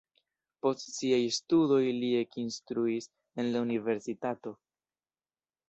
Post siaj studoj li ekinstruis en la universitato.